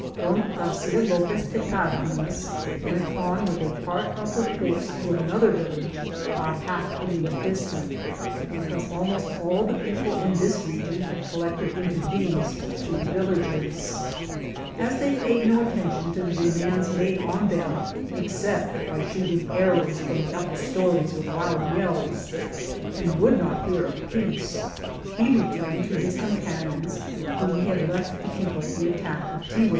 Don Garcia Lopez de Cardenas went on with a part of 1 Wooden warclubs shaped like potato mashers. am Google THE JOUHNEY OP CORONADO the force to another village about half a league distant, because almost all the people in this region had collected into these two villages. As they paid no attention to the demands made on them except by shooting arrows from the upper stories with loud yells, and would not hear of peace, he re turned to his companions whom he had left to keep up the attack of Tiguex.